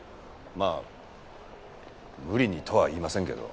まあ無理にとは言いませんけど。